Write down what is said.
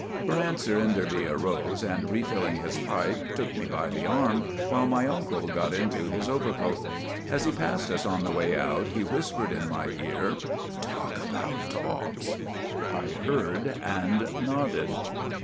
' For answer Enderby arose, and refilling his pipe took me by the arm, while my uncle got into his overcoat. As he passed us on the way out he whispered in my ear : GULLIVER THE GREAT 5 " Talk about dogs." I heard and nodded.